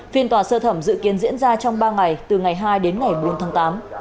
phiên tòa sơ thẩm dự kiến diễn ra trong ba ngày từ ngày hai đến ngày bốn tháng tám